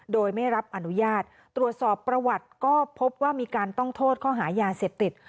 โดยไม่รับอนุญาตตรวจสอบประวัติก็พบว่ามีการต้องโทษข้อหายาเสพติด